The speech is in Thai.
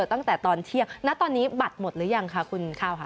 ตั้งแต่ตอนเที่ยงณตอนนี้บัตรหมดหรือยังคะคุณข้าวค่ะ